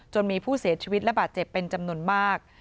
มีผู้เสียชีวิตและบาดเจ็บเป็นจำนวนมาก